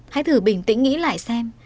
hãy thử bình tĩnh nghĩ lại xem